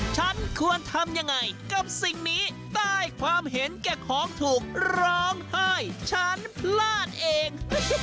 ฉันควรทำยังไงกับสิ่งนี้ใต้ความเห็นแก่ของถูกร้องไห้ฉันพลาดเอง